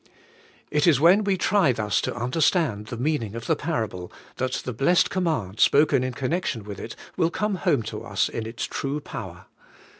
It is when we try thus to understand the meaning of the parable, that the blessed command spoken in connection with it will Come home to us in its true power.